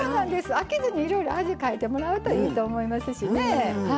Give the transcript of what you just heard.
飽きずにいろいろ味変えてもらうといいと思いますしね。